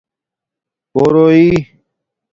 پُوروئئ